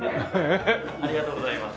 ありがとうございます。